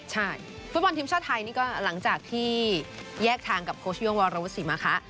ใช่ฟุตบอลทีมชาติไทยนี่ก็หลังจากที่แยกทางกับโค้ชโย่งวรวุศิมะคะ